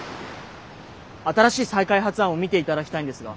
新しい再開発案を見ていただきたいんですが。